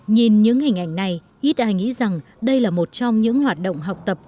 nhìn những hình ảnh này ít ai nghĩ rằng đây là một trong những hoạt động học tập